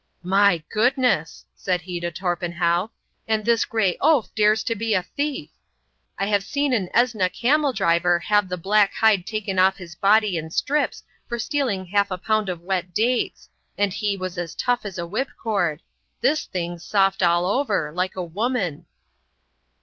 "My goodness!" said he to Torpenhow, "and this gray oaf dares to be a thief! I have seen an Esneh camel driver have the black hide taken off his body in strips for stealing half a pound of wet dates, and he was as tough as whipcord. This things' soft all over—like a woman."